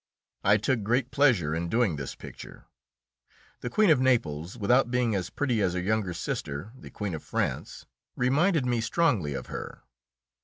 I took great pleasure in doing this picture. The Queen of Naples, without being as pretty as her younger sister, the Queen of France, reminded me strongly of her.